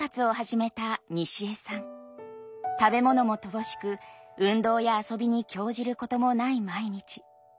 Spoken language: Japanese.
食べ物も乏しく運動や遊びに興じることもない毎日。